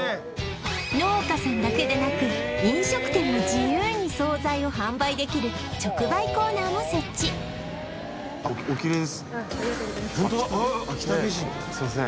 農家さんだけでなく飲食店も自由に惣菜を販売できる直売コーナーも設置ありがとうございます